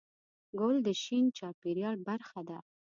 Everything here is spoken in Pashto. ګل د شین چاپېریال برخه ده.